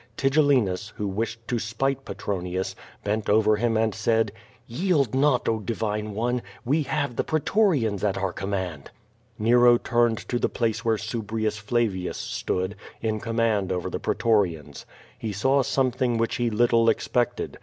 Ti gellinus, who wished to spite Petronius, bent over him and said: ^TTield not, oh, divine one! we have the pretorians at our command." Nero turned to the place where Subrius Flavins stood^ in 486 Q^O VADI8. command over the pretorians. He saw something which he little expected.